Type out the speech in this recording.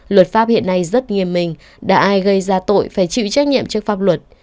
luật pháp hiện nay rất nghiêm minh đã ai gây ra tội phải chịu trách nhiệm trước pháp luật